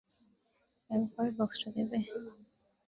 এবার বক্সটা দেবে?